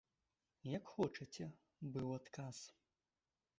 Як хочаце, быў адказ.